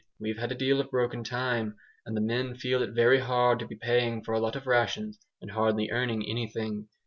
We've had a deal of broken time, and the men feel it very hard to be paying for a lot of rations, and hardly earning anything.